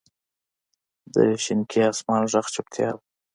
د شینکي اسمان ږغ چوپتیا ده.